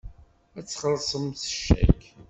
Ad txellṣem s ccak.